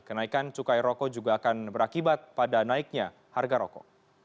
kenaikan cukai rokok juga akan berakibat pada naiknya harga rokok